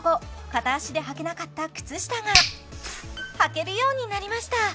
片足ではけなかった靴下がはけるようになりました！